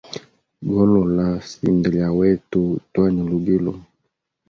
Golola sinda lya wetu twene lubilo.